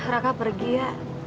raka pergi ya